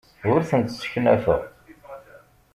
Ur tent-sseknafeɣ.